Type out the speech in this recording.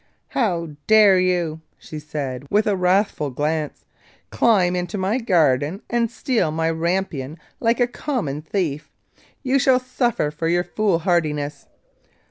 'How dare you,' she said, with a wrathful glance, 'climb into my garden and steal my rampion like a common thief? You shall suffer for your foolhardiness.